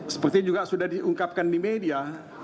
seperti juga sudah diungkapkan di media